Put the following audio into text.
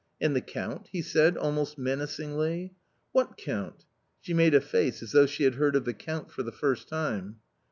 "And the Count?" he said almost menacingly. "What Count?" She made a face, as though she had heard of the Count for the first time.